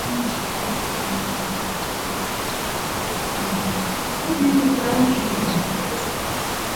Watu wengi walichangia katika utayarishaji wa mwongozo huu Wanajumuisha maafisa wa afya ya wanyama